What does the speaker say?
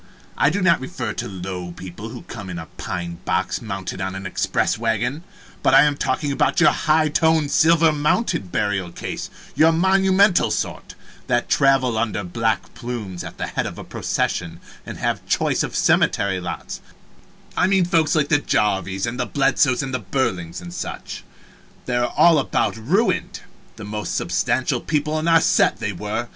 I do not refer to low people who come in a pine box mounted on an express wagon, but I am talking about your high toned, silver mounted burial case, your monumental sort, that travel under black plumes at the head of a procession and have choice of cemetery lots I mean folks like the Jarvises, and the Bledsoes and Burlings, and such. They are all about ruined. The most substantial people in our set, they were.